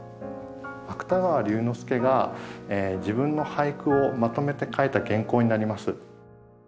芥川龍之介が自分の俳句をまとめて書いた原稿になります。